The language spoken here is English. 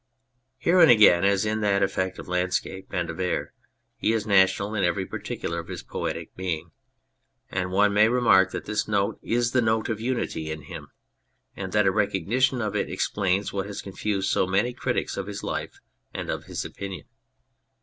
Herein, again, as in that effect of land scape and of air, he is national in every particle of his poetic being ; and one may remark that this note is the note of unity in him, and that a recognition of it explains what has confused so many critics of his life and of his opinion.